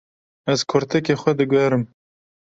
Ez kurtikê xwe diguherim.